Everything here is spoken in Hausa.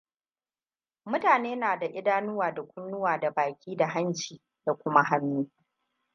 Mutane na da idanuwa da kunnuwa da baki da hanci da kuma hannu.